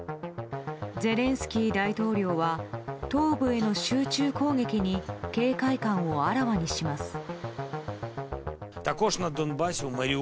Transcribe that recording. ゼレンスキー大統領は東部への集中攻撃に警戒感をあらわにします。